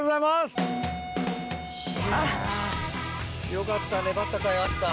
よかった粘ったかいあった。